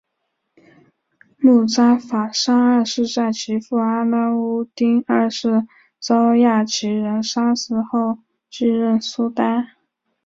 慕扎法沙二世在其父阿拉乌丁二世遭亚齐人杀死后继任苏丹。